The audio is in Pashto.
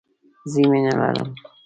زه مينه لرم